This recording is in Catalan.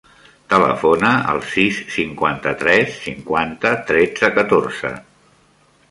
Telefona al sis, cinquanta-tres, cinquanta, tretze, catorze.